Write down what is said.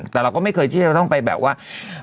แต่เราก็ไม่เคยที่จะต้องไปแบบว่า